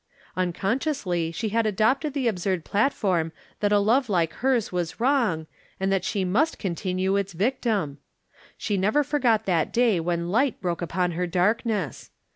Unconsciously she had adopted the ab surd platform that a love like hers was wrong, and that she must continue its victim ! She never forgot that day when hght broke upon her darkness.